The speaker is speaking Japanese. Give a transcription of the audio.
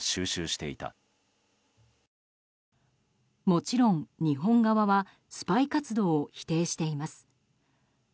もちろん日本側はスパイ活動を否定しています。